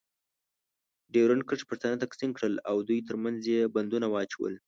د ډیورنډ کرښې پښتانه تقسیم کړل. او دوی ترمنځ یې بندونه واچول.